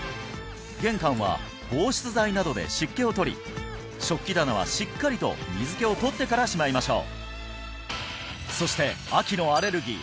玄関は防湿剤などで湿気を取り食器棚はしっかりと水けを取ってからしまいましょうそして秋のアレルギー